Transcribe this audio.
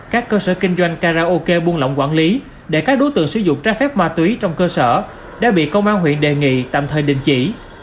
các cơ sở kinh doanh karaoke buôn lọng quản lý để các đối tượng sử dụng trái phép ma túy trong cơ sở đã bị công an huyện đề nghị tạm thời đình chỉ